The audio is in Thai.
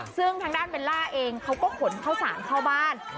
ซึ่งทางด้านเบลล่าเองเขาก็ขนข้าวสารเข้าบ้าน